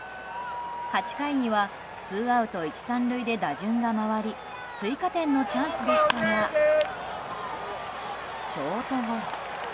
８回にはツーアウト１、３塁で打順が回り追加点のチャンスでしたがショートゴロ。